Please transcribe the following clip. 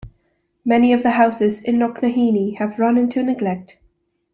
Many of the houses in Knocknaheeny have run into neglect.